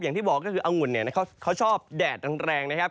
อย่างที่บอกก็คืออังุ่นเนี่ยเขาชอบแดดแรงนะครับ